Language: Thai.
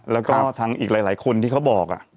แล้วก็ทางอีกหลายคนที่เขาบอก